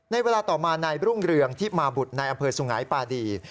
ในเวลาต่อมาในรุ่งเรืองที่มาบุตรในอำเภอสุงหายปาดี